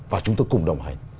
và chúng tôi cùng đồng hành